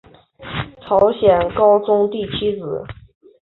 朝鲜高宗第七子。